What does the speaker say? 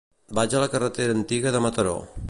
Vaig a la carretera Antiga de Mataró.